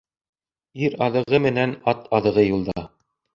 Ир аҙығы менән ат аҙығы юлда.